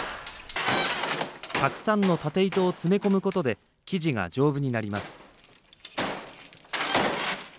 たくさんの縦糸を詰め込むことで生地が丈夫になります。